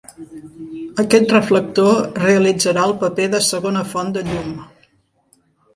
Aquest reflector realitzarà el paper de segona font de llum.